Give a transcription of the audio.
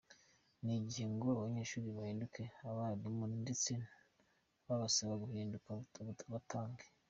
Ni igihe ngo abanyeshuri bahinduke abarimu ndetse n’abasaba bahinduke abatanga.